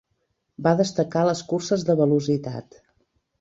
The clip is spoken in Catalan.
Va destacar a les curses de velocitat.